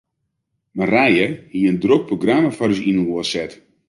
Marije hie in drok programma foar ús yninoar set.